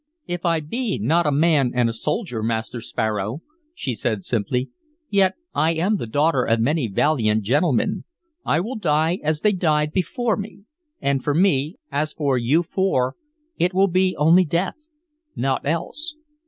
"If I be not a man and a soldier, Master Sparrow," she said simply, "yet I am the daughter of many valiant gentlemen. I will die as they died before me. And for me, as for you four, it will be only death, naught else."